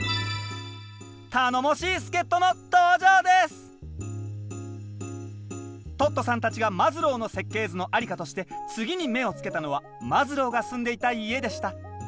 はぁ「Ｃｌｏｓｅｔｏｙｏｕ」トットさんたちがマズローの設計図の在りかとして次に目をつけたのはマズローが住んでいた家でした。